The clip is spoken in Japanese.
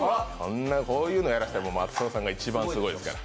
こういうのやらせたら、松尾さんが一番すごいですから。